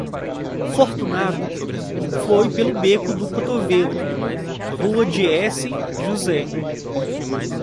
Fortunato foi pelo beco do Cotovelo, rua de S. José.